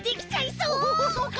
そうか！